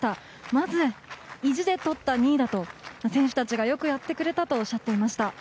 まず意地で取った２位だと選手たちがよくやってくれたとおっしゃっていました。